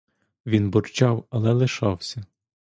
Він бурчав, але лишався.